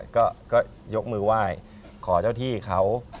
ก็ยกมือไหว้ขอเจ้าที่เขา